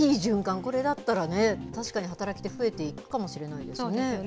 これだったらね、確かに働き手増えていくかもしれないですよね。